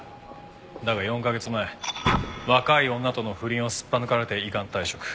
だが４カ月前若い女との不倫をすっぱ抜かれて依願退職。